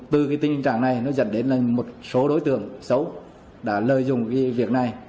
từ cái tình trạng này nó dẫn đến là một số đối tượng xấu đã lợi dụng cái việc này